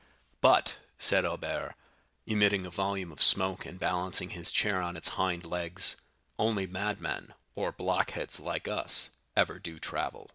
"But," said Albert, emitting a volume of smoke and balancing his chair on its hind legs, "only madmen, or blockheads like us, ever do travel.